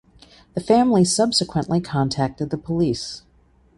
The family subsequently contacted the police.